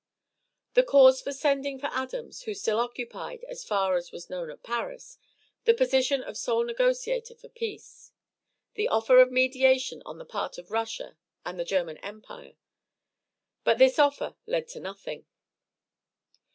The cause for sending for Adams, who still occupied, so far as was known at Paris, the position of sole negotiator for peace; the offer of mediation on the part of Russia and the German empire; but this offer led to nothing.